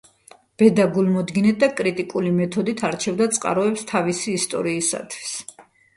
ბედა გულმოდგინედ და კრიტიკული მეთოდით არჩევდა წყაროებს თავისი ისტორიისათვის.